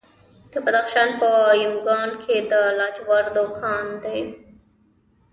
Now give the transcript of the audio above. د بدخشان په یمګان کې د لاجوردو کان دی.